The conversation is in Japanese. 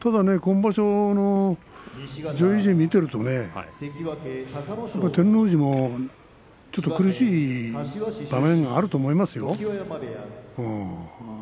今場所の上位陣を見ていると照ノ富士もちょっと苦しい場面もあると思いますよ。